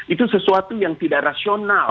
itu sesuatu yang tidak rasional